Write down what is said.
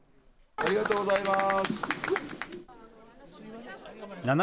ありがとうございます。